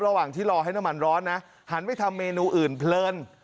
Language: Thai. ระหว่างที่รอให้น้ำมันร้อนนะหันไปทำเมนูอื่นเพลิน